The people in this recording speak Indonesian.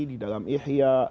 di dalam ihya